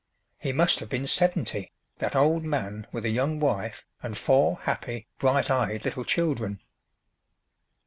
He must have been seventy, that old man with a young wife and four happy bright eyed little children!